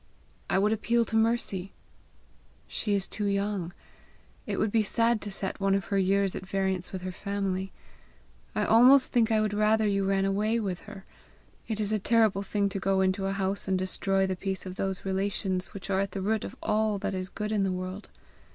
"I would appeal to Mercy." "She is too young. It would be sad to set one of her years at variance with her family. I almost think I would rather you ran away with her. It is a terrible thing to go into a house and destroy the peace of those relations which are at the root of all that is good in the world."